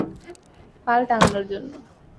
পাল টাঙানোর জন্য।